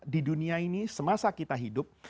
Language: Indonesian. di dunia ini semasa kita hidup